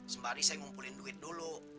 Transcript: sembari saya ngumpulin duit dulu